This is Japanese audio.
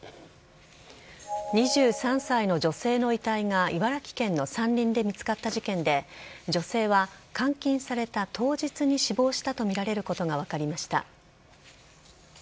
２３歳の女性の遺体が茨城県の山林で見つかった事件で女性は監禁された当日に死亡したとみられることが分かりました。